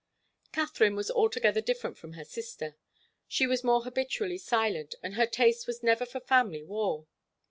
Katharine was altogether different from her sister. She was more habitually silent, and her taste was never for family war.